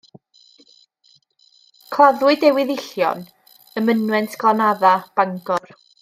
Claddwyd ei weddillion ym mynwent Glanadda, Bangor.